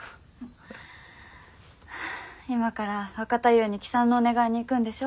今から若太夫に帰参のお願いに行くんでしょ？